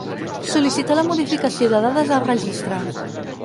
Sol·licitar la modificació de dades del Registre.